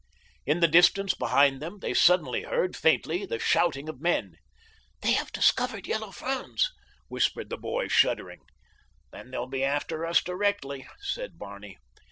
In the distance behind them they suddenly heard, faintly, the shouting of men. "They have discovered Yellow Franz," whispered the boy, shuddering. "Then they'll be after us directly," said Barney.